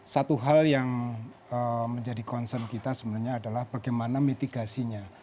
satu hal yang menjadi concern kita sebenarnya adalah bagaimana mitigasinya